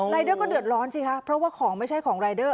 เดอร์ก็เดือดร้อนสิคะเพราะว่าของไม่ใช่ของรายเดอร์